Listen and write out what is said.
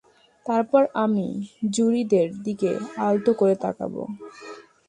তারপর আমি, জুরিদের দিকে আলতো করে তাকাবো।